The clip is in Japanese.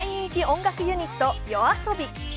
大人気音楽ユニットＹＯＡＳＯＢＩ。